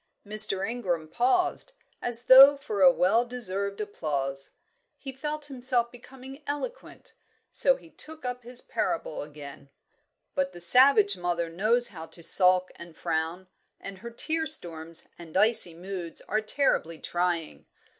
Mr. Ingram paused, as though for well deserved applause. He felt himself becoming eloquent, so he took up his parable again. "But the savage mother knows how to sulk and frown, and her tear storms and icy moods are terribly trying.